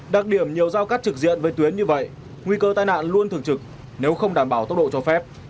đặc điểm nhiều giao cắt trực diện với tuyến như vậy nguy cơ tai nạn luôn thực trực nếu không đảm bảo tốc độ cho phép